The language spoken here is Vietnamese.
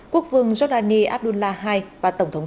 quốc vương giordani abdullah ii và tổng thống trần sơn